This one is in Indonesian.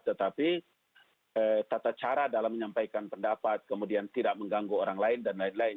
tetapi tata cara dalam menyampaikan pendapat kemudian tidak mengganggu orang lain dan lain lain